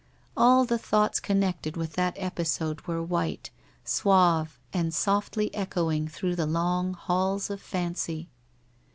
All the thoughts connected with that episode were white, suave, and softly echoing through the long halls of fancy.